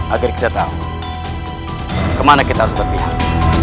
agar kita tahu ke mana kita harus berpihak